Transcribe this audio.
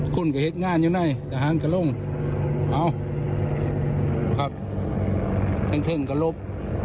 คุณก็เห็นงานอยู่ในทหารกับลุงเอาครับแข็งกับลุก